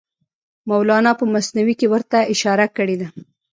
مولانا په مثنوي کې ورته اشاره کړې ده.